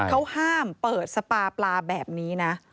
เขาห้ามเปิดสปาปลาแบบนี้นะ